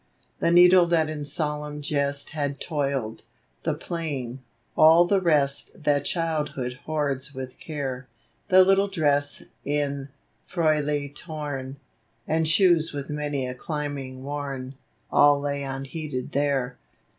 The needle that in solemn jest Had toiled — the plaything — all the rest That childhood hoards with care; The little dress in frolic torn, And shoes with many a climbing worn, All lay unheeded there.